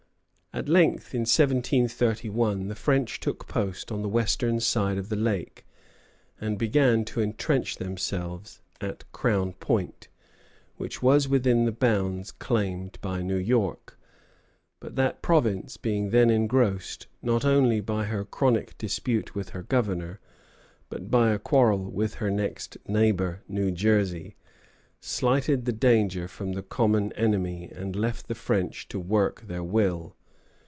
[Footnote: Mitchell, Contest in America, 22.] At length, in 1731, the French took post on the western side of the lake, and began to intrench themselves at Crown Point, which was within the bounds claimed by New York; but that province, being then engrossed, not only by her chronic dispute with her Governor, but by a quarrel with her next neighbor, New Jersey, slighted the danger from the common enemy, and left the French to work their will.